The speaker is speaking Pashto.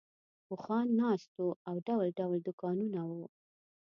اوښان ناست وو او ډول ډول دوکانونه وو.